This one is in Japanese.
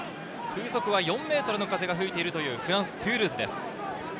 風速は４メートルの風が吹いている、フランス・トゥールーズです。